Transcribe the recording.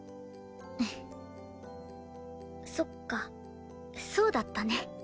そっかそうだったね。